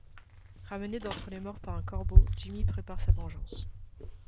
Ramené d'entre les morts par un corbeau, Jimmy prépare sa vengeance...